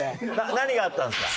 何があったんですか？